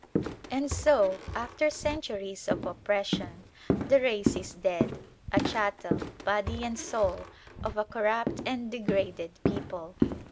And so, after centuries of oppression, the race is dead, a chattel, body and soul, of a corrupt and degraded people.